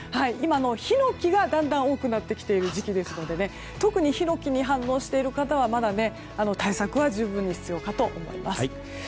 今、ヒノキがだんだん多くなってきている時期なので特にヒノキに反応している方はまだ対策は十分に必要かと思います。